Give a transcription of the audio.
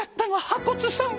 破骨さん！